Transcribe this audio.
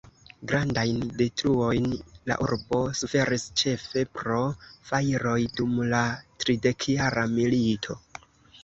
Grandajn detruojn la urbo suferis, ĉefe pro fajroj, dum la Tridekjara milito.